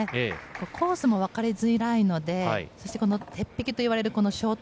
コースもわかりづらいのでそして鉄壁といわれるショート。